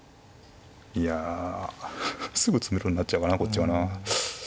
いやすぐ詰めろになっちゃうかなこっちはな。